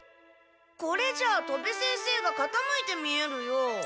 これじゃあ戸部先生がかたむいて見えるよ。